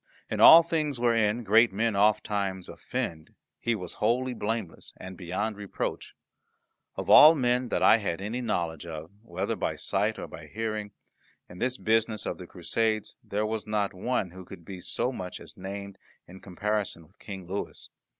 In all things wherein great men ofttimes offend he was wholly blameless and beyond reproach. Of all men that I had any knowledge of, whether by sight or by hearing, in this business of the Crusades there was not one who could be so much as named in comparison with King Louis.